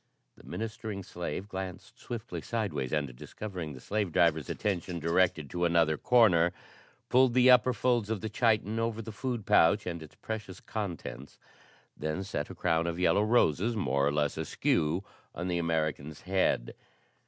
The ministering slave glanced swiftly sidewise and, discovering the slave driver's attention directed to another corner, pulled the upper folds of the chiton over the food pouch and its precious contents, then set a crown of yellow roses more or less askew on the American's head.